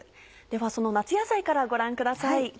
ではその夏野菜からご覧ください。